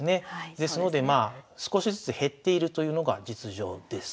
ですのでまあ少しずつ減っているというのが実情です。